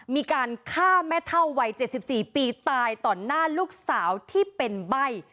มีการฆ่าแม่เท่าวัย๗๔ปีตายต่อหน้าลูกสาวที่เป็นใบ้